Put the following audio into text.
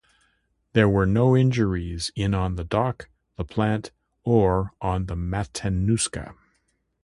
There were no injuries in on the dock, the plant, or on the Matanuska.